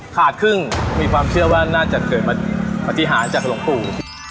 ขาดครึ่งมีความเชื่อว่าน่าจะเกิดมาจิหาจากโรงผู้